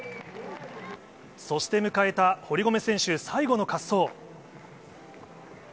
そして迎えた堀米選手、最後の滑走。